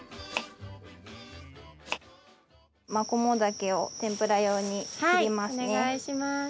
マコモダケを天ぷら用に切りますね。